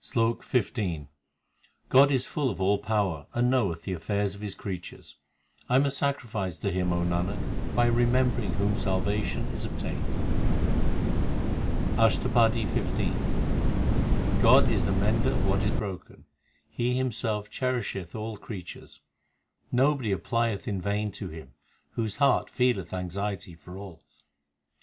SLOK XV God is full of all power and knoweth the affairs l of His creatures ; I am a sacrifice to Him, O Nanak, by remembering whom salvation is obtained. ASHTAPADI XV i God is the mender of what is broken ; He Himself cherisheth all creatures. Nobody applieth in vain to Him Whose heart feeleth anxiety for all.